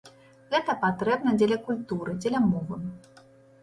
Гэта патрэбна дзеля культуры, дзеля мовы.